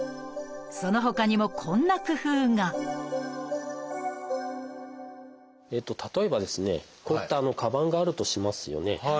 そのほかにもこんな工夫が例えばですねこういったかばんがあるとしますよね。